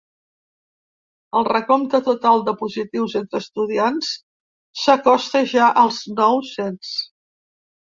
El recompte total de positius entre estudiants s’acosta ja als nou-cents.